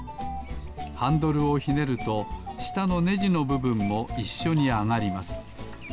ハンドルをひねるとしたのねじのぶぶんもいっしょにあがります。